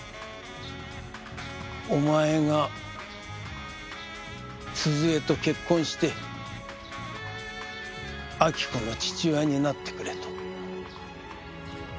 お前が鈴江と結婚して亜希子の父親になってくれと。